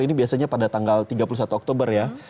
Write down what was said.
ini biasanya pada tanggal tiga puluh satu oktober ya